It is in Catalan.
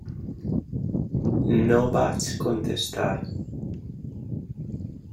No vaig contestar.